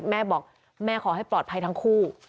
แม่ขอให้ปลอดภัยทั้งคู่